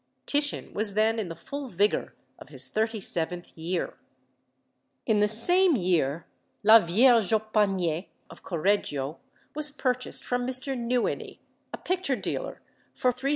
Titian was then in the full vigour of his thirty seventh year. In the same year "La Vierge au Panier" of Correggio was purchased from Mr. Nieuwenhuy, a picture dealer, for £3800.